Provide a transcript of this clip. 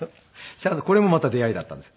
シャンソンこれもまた出会いだったんです。